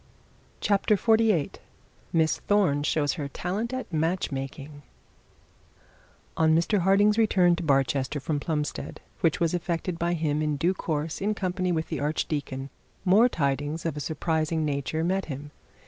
CHAPTER XLVIII MISS THORNE SHOWS HER TALENT FOR MATCH MAKING On Mr Harding's return to Barchester from Plumstead, which was effected by him in due course in company with the archdeacon, some tidings of a surprising nature met him.